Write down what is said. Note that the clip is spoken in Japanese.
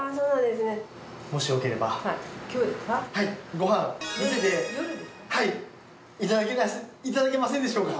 ご飯見せていただけませんでしょうか？